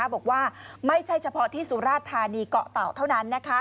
บอกว่าไม่ใช่เฉพาะที่สุราธานีเกาะเต่าเท่านั้น